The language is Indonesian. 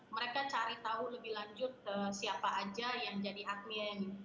mereka cari tahu lebih lanjut siapa aja yang jadi admin